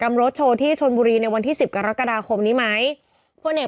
อ่าอ่าอ่าอ่าอ่า